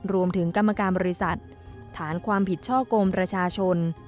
รวมถึงกรรมการบริษัทฐานความผิดช่อกงประชาชน